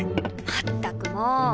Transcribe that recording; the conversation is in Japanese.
まったくもう！